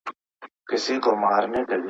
هغه د سولې او ورورولۍ په ارزښت پوهېده.